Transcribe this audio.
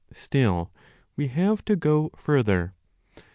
Still, we have to go further.